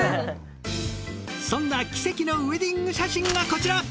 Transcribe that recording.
そんな奇跡のウェディング写真がこちら。